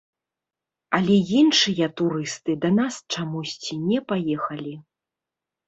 Але іншыя турысты да нас чамусьці не паехалі.